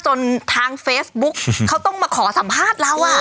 จนทางเฟซบุ๊กเขาต้องมาขอสัมภาษณ์เรา